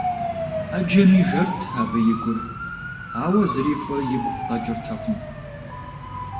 Ӏэджэми жэрт абы и гур, ауэ зыри фӏы игу къэкӏыртэкъым.